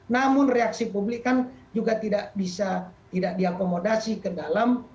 namun reaksi publik kan juga tidak bisa tidak diakomodasi ke dalam